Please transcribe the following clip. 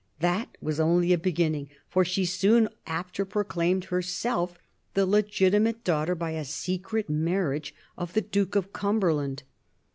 That was only a beginning, for she soon after proclaimed herself the legitimate daughter, by a secret marriage, of the Duke of Cumberland.